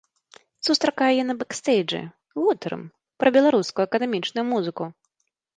Сустракаю яе на бэкстэйджы, гутарым пра беларускую акадэмічную музыку.